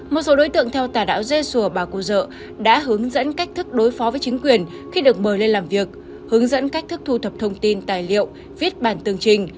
một số đối tượng theo tà đạo dê sùa bà cô dợ đã hướng dẫn cách thức đối phó với chính quyền khi được mời lên làm việc hướng dẫn cách thức thu thập thông tin tài liệu viết bản tường trình